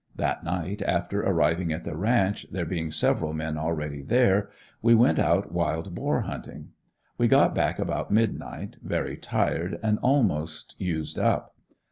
That night, after arriving at the ranch, there being several men already there, we went out wild boar hunting. We got back about midnight very tired and almost used up.